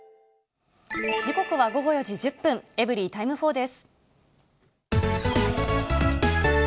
時刻は午後４時１０分、エブリィタイム４です。